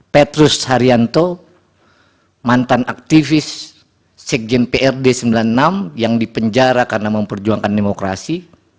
petrus haryanto mantan aktivis sekjen prd sembilan puluh enam yang dipenjara karena memperjuangkan demokrasi